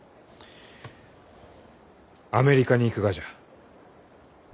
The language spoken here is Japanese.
アメリカに行くがじゃ。